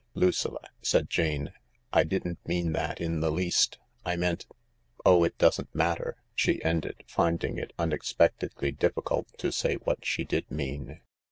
" Lucilla," said Jane, " I didn't mean that in the least. I meant ,.. Oh, it doesn't matter," she ended, finding THE LARK 161 it unexpectedly difficult to say what she did mean.